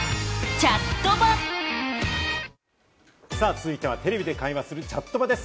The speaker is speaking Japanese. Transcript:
続いてはテレビで会話する「チャットバ」です。